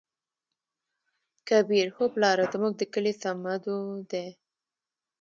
کبير : هو پلاره زموږ د کلي صمدو دى.